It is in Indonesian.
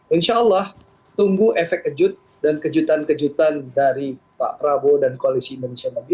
insya allah tunggu efek kejut dan kejutan kejutan dari pak prabowo dan koalisi indonesia maju